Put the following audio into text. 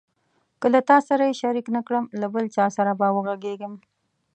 که له تا سره یې شریک نه کړم له بل چا سره به وغږېږم.